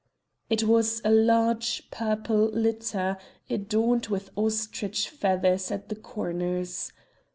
It was a large purple litter, adorned with ostrich feathers at the corners.